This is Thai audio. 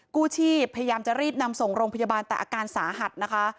กู้ชีพพยายามจะรีบนำส่งโรงพยาบาลแต่อาการสาหัสนะคะ